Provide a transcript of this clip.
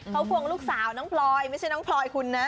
เขาควงลูกสาวน้องพลอยไม่ใช่น้องพลอยคุณนะ